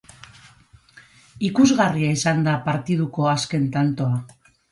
Ikusgarria izan da partiduko azken tantoa